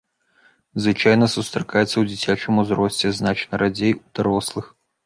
Звычайна сустракаецца ў дзіцячым узросце, значна радзей у дарослых.